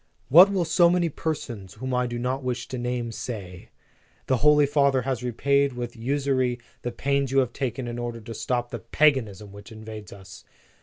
What will so many persons, whom I do not wish to name, say? The Holy Father has repaid with usury the pains you have taken in order to stop the Preface to the Second Edition. 17 paganism which invades us.